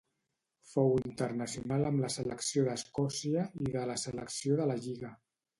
Fou internacional amb la selecció d'Escòcia i de la selecció de la lliga.